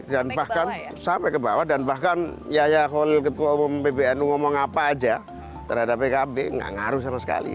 dan bahkan sampai ke bawah dan bahkan yahya kholil ketua umum pbnu ngomong apa aja terhadap pkb gak ngaruh sama sekali